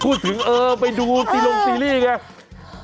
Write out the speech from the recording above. คุยถึงเออไปดูตีลงซีรีส์ไง